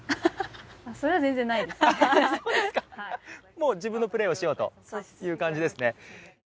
もう自分のプレーをしようという感じですね。